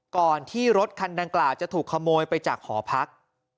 ก่อนที่รถคันดังกล่าวจะถูกขโมยไปจากหอพัก